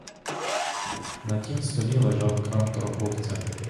На тім столі лежав крам торговця.